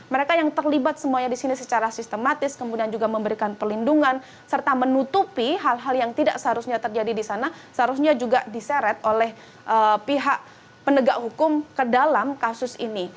mereka yang terlibat semuanya di sini secara sistematis kemudian juga memberikan pelindungan serta menutupi hal hal yang tidak seharusnya terjadi di sana seharusnya juga diseret oleh pihak penegak hukum ke dalam kasus ini